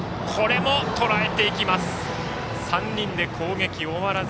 ３人で攻撃終わらず。